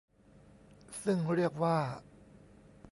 ซึ่งเรียกว่า